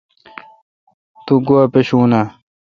تو گوا پاشون اؘ۔